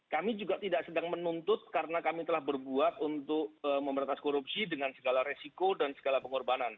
kami juga tidak sedang menuntut karena kami telah berbuat untuk memberantas korupsi dengan segala resiko dan segala pengorbanan